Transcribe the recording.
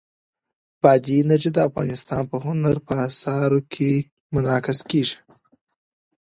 بادي انرژي د افغانستان په هنر په اثار کې منعکس کېږي.